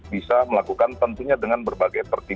bisa melakukan tentunya dengan berbagai terima kasih